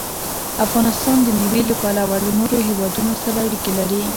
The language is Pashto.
افغانستان د مېوې له پلوه له نورو هېوادونو سره اړیکې لري.